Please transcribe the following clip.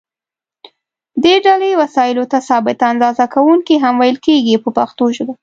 دې ډلې وسایلو ته ثابته اندازه کوونکي هم ویل کېږي په پښتو ژبه.